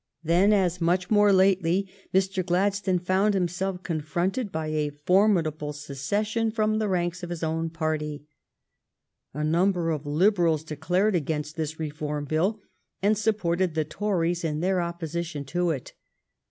Then, as much more lately, Mr. Glad stone found himself confronted by a formidable secession from the ranks of his own party. A number of Liberals declared against his Reform Bill and supported the Tories in their opposition to it.